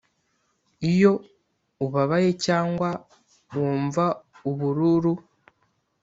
iyo ubabaye cyangwa wumva ubururu.